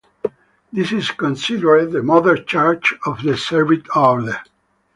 This is considered the mother church of the Servite Order.